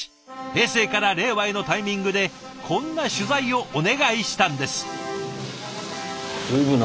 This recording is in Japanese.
平成から令和へのタイミングでこんな取材をお願いしたんです。